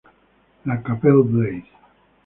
La Capelle-Bleys